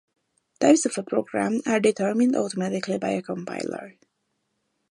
types of a program are determined automatically by a compiler